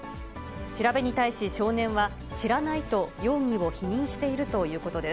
調べに対し少年は、知らないと容疑を否認しているということです。